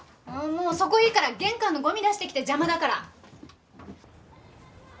あもうそこいいから玄関のゴミ出してきて邪魔だから。